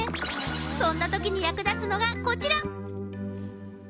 そんなときに役立つのが、こちら。